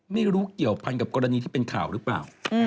ไม่รู้เกี่ยวพันกับกรณีที่เป็นข่าวหรือเปล่า